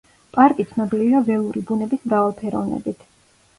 პარკი ცნობილია ველური ბუნების მრავალფეროვნებით.